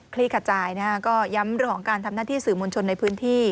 ลี่ขจายนะฮะก็ย้ำเรื่องของการทำหน้าที่สื่อมวลชนในพื้นที่